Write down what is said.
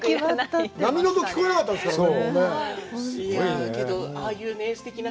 波の音、聞こえなかったですもんね。